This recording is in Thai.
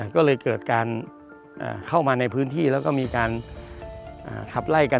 ก็เลยเกิดการเข้ามาในพื้นที่แล้วก็มีการขับไล่กัน